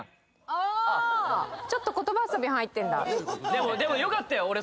あちょっと言葉遊び入ってんだでもでもよかったよ